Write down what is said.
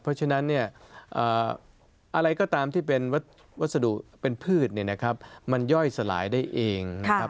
เพราะฉะนั้นอะไรก็ตามที่เป็นวัสดุเป็นพืชมันย่อยสลายได้เองนะครับ